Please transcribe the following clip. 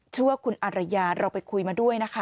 ชื่อว่าคุณอารยาเราไปคุยมาด้วยนะคะ